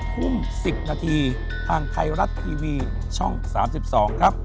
ทุ่ม๑๐นาทีทางไทยรัฐทีวีช่อง๓๒ครับ